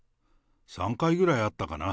３回くらいあったかな。